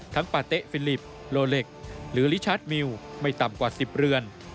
ปาเต๊ะฟิลิปโลเล็กหรือลิชาร์จมิวไม่ต่ำกว่า๑๐เรือน